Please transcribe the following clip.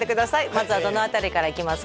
まずはどの辺りからいきますか？